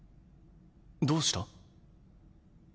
どうした？